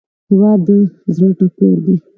هیواد د زړه ټکور دی